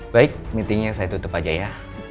baik meetingnya saya tutup aja ya